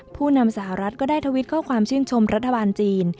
ผู้นำสหรัฐก็ได้ทวิตข้อความชื่นชมรัฐบาลจีน